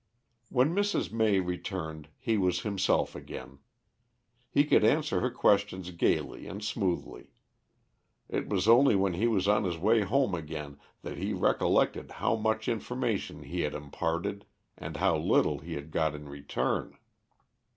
When Mrs. May returned he was himself again. He could answer her questions gaily and smoothly. It was only when he was on his way home again that he recollected how much information he had imparted and how little he had got in return.